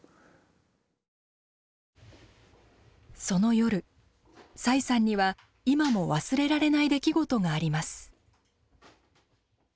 その夜崔さんには今も忘れられない出来事があります。